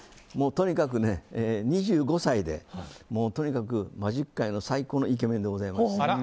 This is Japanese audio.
とにかく２５歳でマジック界の最高のイケメンでございます。